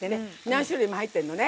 何種類も入ってんのね。